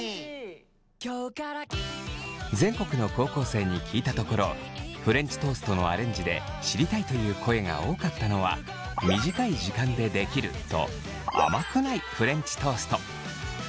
全国の高校生に聞いたところフレンチトーストのアレンジで知りたいという声が多かったのは短い時間でできると甘くないフレンチトースト。